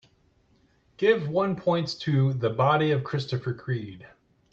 Give one points to The Body of Christopher Creed